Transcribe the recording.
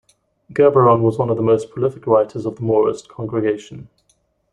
Gerberon was one of the most prolific writers of the Maurist Congregation.